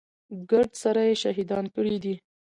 ګرد سره يې شهيدان کړي دي.